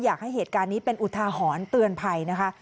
เหตุการณ์นี้เป็นอุทาหรณ์เตือนภัยนะคะ